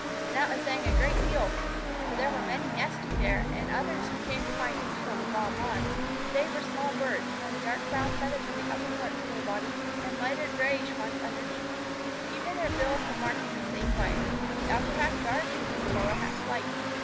And that was saying a great deal, for there were many nesting there and others who came to find food on the broad lawn. They were small birds, wearing dark brown feathers on the upper parts of their bodies and lighter grayish ones underneath. Even their bills were marked in the same way, with the upper half dark and the lower half light.